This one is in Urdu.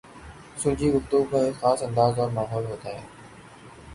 سلجھی گفتگو کا ایک خاص انداز اور ماحول ہوتا ہے۔